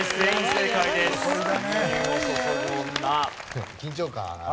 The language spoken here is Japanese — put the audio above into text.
でも緊張感ある。